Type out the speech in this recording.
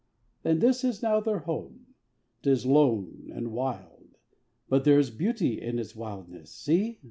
And this is now their home. 'Tis lone and wild; But there is beauty in its wildness. See!